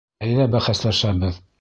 Әйҙә бәхәсләшәбеҙ!